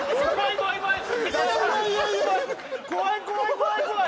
怖い怖い怖い！